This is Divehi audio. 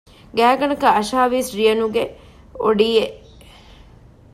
ގާތްގަނޑަކަށް އަށާވީސް ރިޔަނުގެ އޮޑިއެއް